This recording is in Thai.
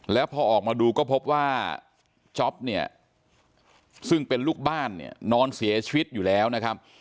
แล้วพอออกมาดูก็พบว่าจ๊อปเนี่ยซึ่งเป็นลูกบ้านเนี่ยนอนเสียชีวิตอยู่แล้วนะครับ